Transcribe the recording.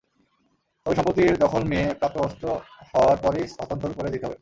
তবে সম্পত্তির দখল মেয়ে প্রাপ্তবয়স্ক হওয়ার পরই হস্তান্তর করে দিতে হবে।